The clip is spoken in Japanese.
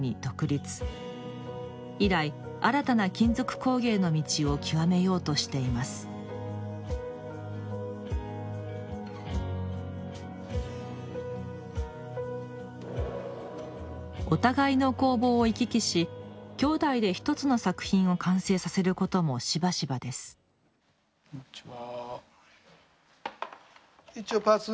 以来新たな金属工芸の道を極めようとしていますお互いの工房を行き来し兄弟で一つの作品を完成させることもしばしばですこんにちは。